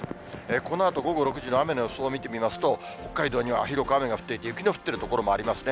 このあと午後６時の雨の予想を見てみますと、北海道には広く雨が降っていて、雪の降っている所もありますね。